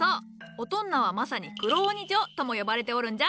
オトンナはまさに「黒鬼城」とも呼ばれておるんじゃ。